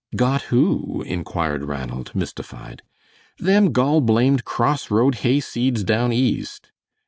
"Got who?" inquired Ranald, mystified. "Them gol blamed, cross road hayseeds down East."